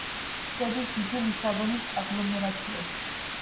შედის დიდი ლისაბონის აგლომერაციაში.